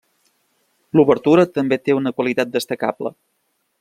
L'obertura també té una qualitat destacable.